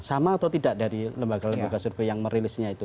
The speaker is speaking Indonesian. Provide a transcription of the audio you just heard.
sama atau tidak dari lembaga lembaga survei yang merilisnya itu